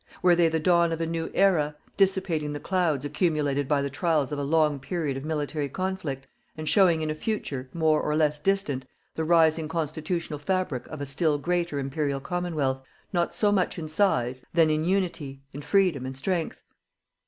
Were they the dawn of a new era, dissipating the clouds accumulated by the trials of a long period of military conflict, and showing in a future, more or less distant, the rising constitutional fabric of a still greater Imperial Commonwealth, not so much in size, than in unity, in freedom and strength?